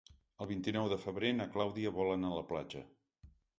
El vint-i-nou de febrer na Clàudia vol anar a la platja.